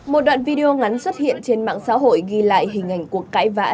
một đoạn video ngắn xuất hiện trên mạng xã hội ghi lại hình ảnh cuộc cãi vãi